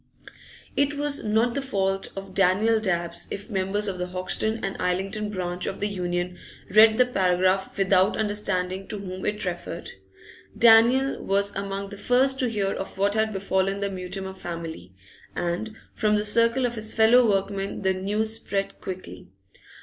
It was not the fault of Daniel Dabbs if members of the Hoxton and Islington branch of the Union read the paragraph without understanding to whom it referred. Daniel was among the first to hear of what had befallen the Mutimer family, and from the circle of his fellow workmen the news spread quickly.